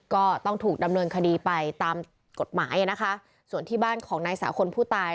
ก็ต้องถูกดำเนินคดีไปตามกฎหมายอ่ะนะคะส่วนที่บ้านของนายสาคลผู้ตาย